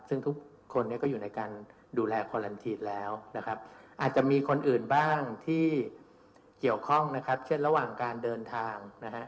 ซึ่งทุกคนเนี่ยก็อยู่ในการดูแลคอลันทีนแล้วนะครับอาจจะมีคนอื่นบ้างที่เกี่ยวข้องนะครับเช่นระหว่างการเดินทางนะฮะ